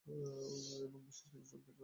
এবং বিশেষ কিছু চমকের জন্য।